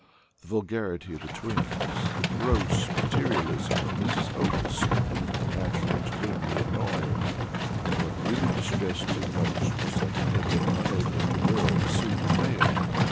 The vulgarity of the twins, and the gross materialism of Mrs. Otis, were naturally extremely annoying, but what really distressed him most was that he had been unable to wear the suit of mail.